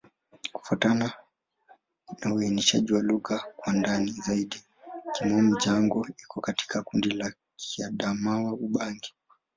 Kufuatana na uainishaji wa lugha kwa ndani zaidi, Kimom-Jango iko katika kundi la Kiadamawa-Ubangi.